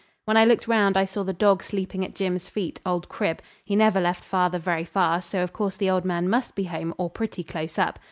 When I looked round I saw the dog sleeping at Jim's feet, old Crib. He never left father very far, so of course the old man must be home, or pretty close up.